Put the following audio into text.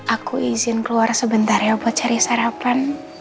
aku izin keluar sebentar ya buat cari sarapan